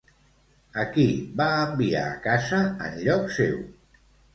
A qui va enviar a casa en lloc seu?